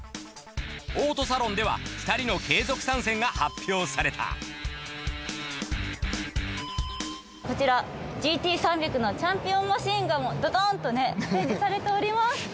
オートサロンでは２人の継続参戦が発表されたこちらＧＴ３００のチャンピオンマシンがドドーンと展示されております。